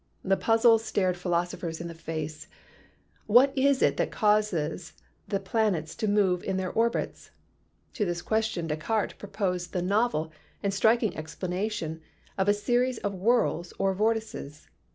The puzzle stared philosophers in the face, What is it that causes the planets to move in their orbits? To this question Descartes proposed the novel and striking explanation of a series of whirls or vortices.